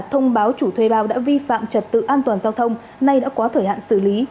thông báo chủ thuê bao đã vi phạm trật tự an toàn giao thông nay đã quá thời hạn xử lý